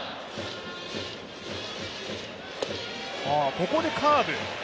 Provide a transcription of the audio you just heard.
ここでカーブ。